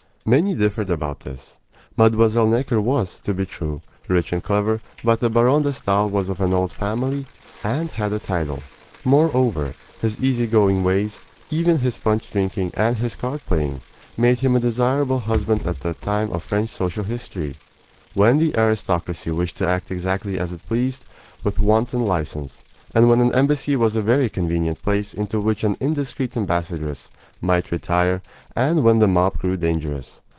Many differed about this. Mlle. Necker was, to be sure, rich and clever; but the Baron de Stael was of an old family, and had a title. Moreover, his easy going ways even his punch drinking and his card playing made him a desirable husband at that time of French social history, when the aristocracy wished to act exactly as it pleased, with wanton license, and when an embassy was a very convenient place into which an indiscreet ambassadress might retire when the mob grew dangerous.